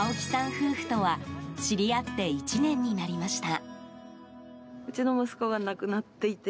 夫婦とは知り合って１年になりました。